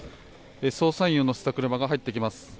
捜査員を乗せた車が入ってきます。